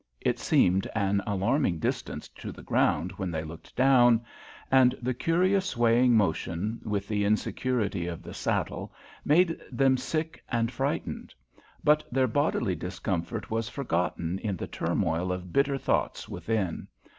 It seemed an alarming distance to the ground when they looked down, and the curious swaying motion, with the insecurity of the saddle, made them sick and frightened. But their bodily discomfort was forgotten in the turmoil of bitter thoughts within.